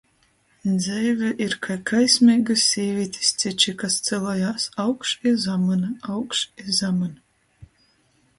Dzeive ir kai kaismeigys sīvītis ciči, kas cylojās augš i zamyn, augš i zamyn.